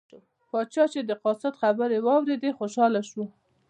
پاچا چې د قاصد خبرې واوریدې خوشحاله شو.